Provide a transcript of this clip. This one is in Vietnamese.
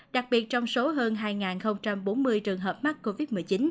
đặc biệt trong số hơn hai bốn mươi trường hợp mắc covid một mươi chín